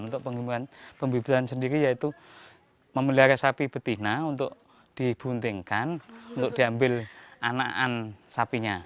untuk pembibitan sendiri yaitu memelihara sapi betina untuk dibuntingkan untuk diambil anakan sapinya